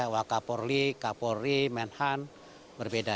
waka porli kapolri menhan berbeda